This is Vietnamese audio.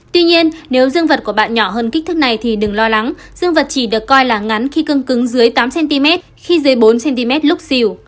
tuy nhiên nếu dương vật của bạn nhỏ hơn kích thước này thì đừng lo lắng dương vật chỉ được coi là ngắn khi cương cứng dưới tám cm khi dưới bốn cm lúc xỉu